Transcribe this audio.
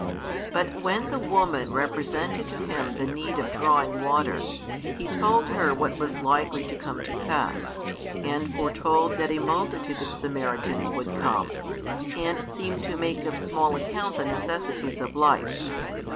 But when the |400 woman represented to Him the need of drawing water, He told her what was likely to come to pass; and foretold that a multitude of Samaritans would come, and seemed to make of small account the necessaries of life.